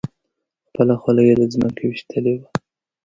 خپله خولۍ یې له ځمکې ویشتلې وه.